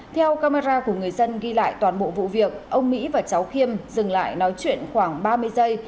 theo camera của người dân ghi lại toàn bộ vụ việc ông mỹ và cháu khiêm dừng lại nói chuyện khoảng ba mươi giây